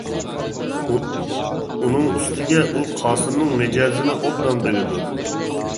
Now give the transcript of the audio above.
ئۇنىڭ ئۈستىگە ئۇ قاسىمنىڭ مىجەزىنى ئوبدان بىلىدۇ.